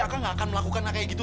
akan gak akan melakukan kayak gitu